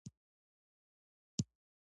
تعلیم نجونو ته د تاریخي پیښو درس ورکوي.